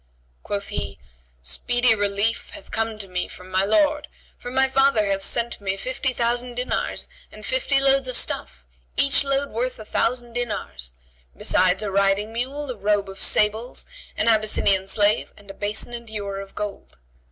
Quoth he, "Speedy relief hath come to me from my Lord; for my father hath sent me fifty thousand dinars and fifty loads of stuffs, each load worth a thousand dinars; besides a riding mule, a robe of sables, an Abyssinian slave and a basin and ewer of gold.